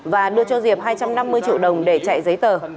và đưa cho diệp hai trăm năm mươi triệu đồng để chạy giấy tờ